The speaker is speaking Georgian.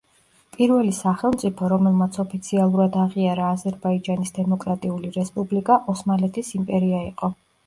პირველი სახელმწიფო, რომელმაც ოფიციალურად აღიარა აზერბაიჯანის დემოკრატიული რესპუბლიკა ოსმალეთის იმპერია იყო.